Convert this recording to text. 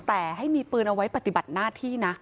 แต่ให้มีปืนเอาไว้ปฏิบัติหน้าที่นะ